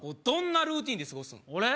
どんなルーティンですごすん俺？